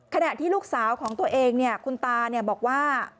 ขณะที่ลูกสาวของตัวเองคุณตาบอกว่า